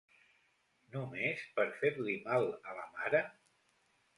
Només per fer-li mal a la mare?